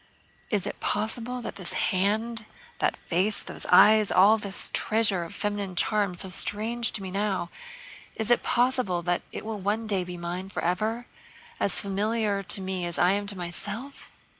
"Is it possible that this hand, that face, those eyes, all this treasure of feminine charm so strange to me now, is it possible that it will one day be mine forever, as familiar to me as I am to myself?...